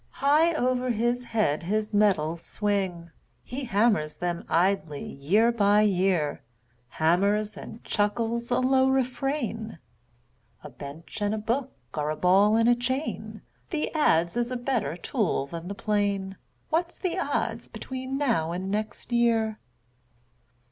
High over his head his metals swing; He hammers them idly year by year, Hammers and chuckles a low refrain: "A bench and a book are a ball and a chain, The adze is a better tool than the plane; What's the odds between now and next year?"